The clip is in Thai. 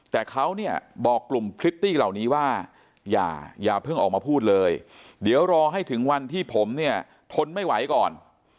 แต่เขาเนี่ยบอกกลุ่มพริตตี้เหล่านี้ว่าอย่าเพิ่งออกมาพูดเลยเดี๋ยวรอให้ถึงวันที่ผมเนี่ยทนไม่ไหวก่อน